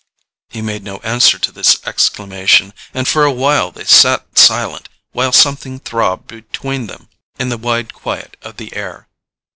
He made no answer to this exclamation, and for a while they sat silent, while something throbbed between them in the wide quiet of the air.